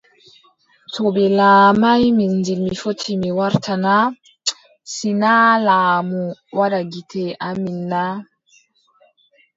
To ɓe laamaay Minjil mi fotti mi warta na ? Si naa laamu waɗa gite amin naa ?